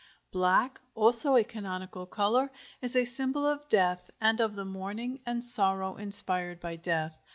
BLACK, also a canonical color, is a symbol of death and of the mourning and sorrow inspired by death.